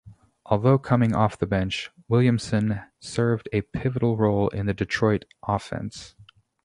Although coming off the bench, Williamson served a pivotal role in the Detroit offense.